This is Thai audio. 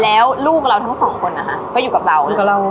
แล้วลูกเราทั้งสองคนนะคะก็อยู่กับเรา